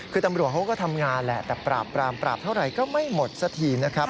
คือตำรวจเขาก็ทำงานแหละแต่ปราบปรามปราบเท่าไหร่ก็ไม่หมดสักทีนะครับ